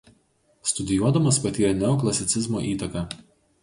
Studijuodamas patyrė neoklasicizmo įtaką.